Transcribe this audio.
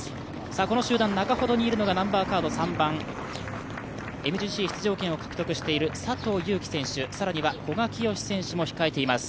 この集団中ほどにいるのが３番、ＭＧＣを獲得している佐藤悠基選手、更には古賀淳紫選手も控えています。